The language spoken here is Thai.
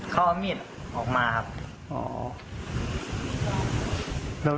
เขาเอามีดออกมาครับ